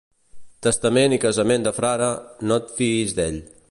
Testament i casament de frare, no et fiïs d'ell.